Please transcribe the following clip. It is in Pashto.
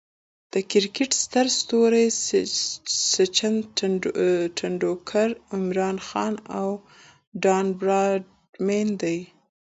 د کرکټ ستر ستوري سچن ټندولکر، عمران خان، او ډان براډمن دي.